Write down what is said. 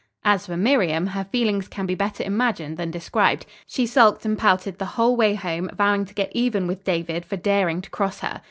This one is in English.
As for Miriam, her feelings can be better imagined than described. She sulked and pouted the whole way home, vowing to get even with David for daring to cross her.